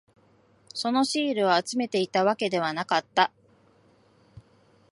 そのシールを集めていたわけではなかった。